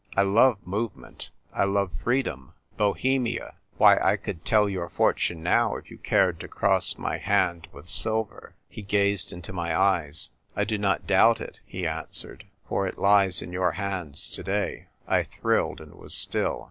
I love movement, I love free dom — Bohemia. Why, I could tell your for tune now if you cared to cross my hand with silver." He gazed into my eyes. " I do not doubt 212 THE TYPE WRITER GIRL. it," he answered, " for it lies in your hands to day." I thrilled and was still.